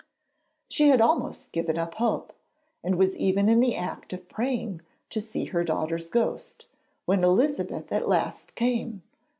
She had almost given up hope, and was even in the act of praying to see her daughter's ghost, when Elizabeth at last came.